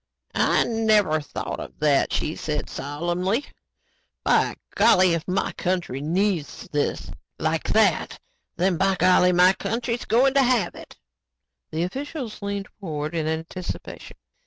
"I never thought of that," she said solemnly. "By golly, if my country needs this like that, then by golly, my country's going to have it." The officials leaned forward in anticipation.